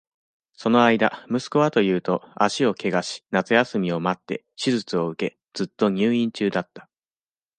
その間、息子はというと、足を怪我し、夏休みを待って、手術を受け、ずっと入院中だった。